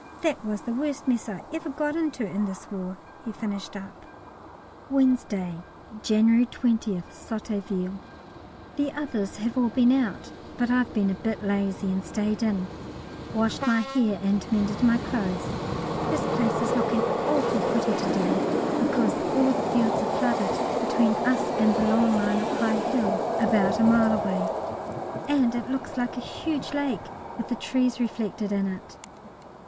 That was the worst mess ever I got into in this War," he finished up. Wednesday, January 20th, Sotteville. The others have all been out, but I've been a bit lazy and stayed in, washed my hair and mended my clothes. This place is looking awfully pretty to day, because all the fields are flooded between us and the long line of high hills about a mile away, and it looks like a huge lake with the trees reflected in it.